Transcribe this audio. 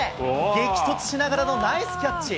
激突ながらのナイスキャッチ。